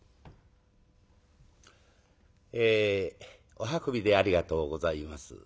お運びでありがとうございます。